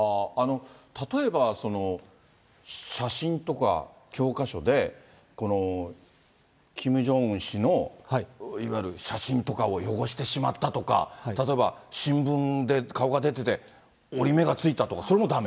例えば、写真とか教科書で、このキム・ジョンウン氏のいわゆる写真とかを汚してしまったとか、例えば、新聞で顔が出てて、折り目がついたとか、それもだめ？